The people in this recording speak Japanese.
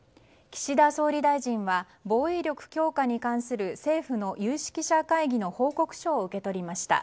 岸田総理大臣は防衛力強化に関する政府の有識者会議の報告書を受け取りました。